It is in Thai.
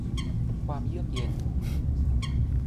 ความเยือกเย็น